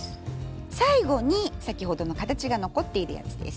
最後に先ほどの形が残っているやつです。